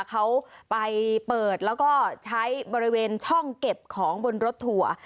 เขาไปเปิดแล้วก็ใช้บริเวณช่องเก็บของบนรถทัวร์